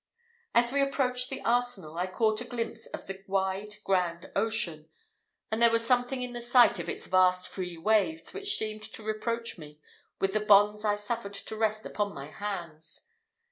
As we approached the arsenal, I caught a glimpse of the wide, grand ocean; and there was something in the sight of its vast free waves, which seemed to reproach me with the bonds I suffered to rest upon my hands.